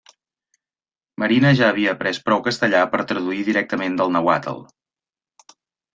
Marina ja havia après prou castellà per traduir directament del nàhuatl.